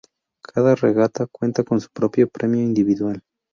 Cada regata cuenta con su propio premio individual.